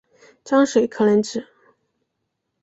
章水可能指